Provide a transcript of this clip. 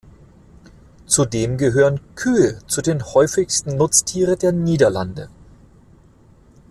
Zudem gehören Kühe zu den häufigsten Nutztieren der Niederlande.